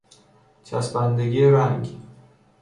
چسبندگی رنگ